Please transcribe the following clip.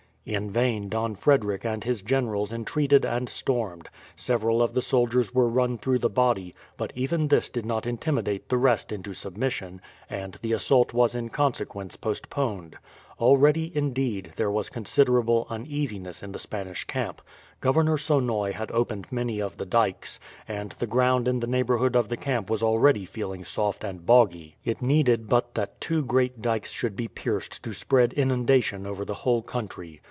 In vain Don Frederick and his generals entreated and stormed. Several of the soldiers were run through the body, but even this did not intimidate the rest into submission, and the assault was in consequence postponed. Already, indeed, there was considerable uneasiness in the Spanish camp. Governor Sonoy had opened many of the dykes, and the ground in the neighbourhood of the camp was already feeling soft and boggy. It needed but that two great dykes should be pierced to spread inundation over the whole country.